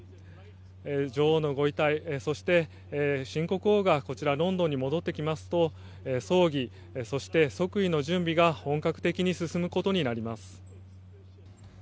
女王のご遺体、そして新国王がこちらロンドンに戻ってきますと葬儀そして即位の準備が本格的に進むことになります。